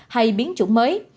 hay biến chủng mới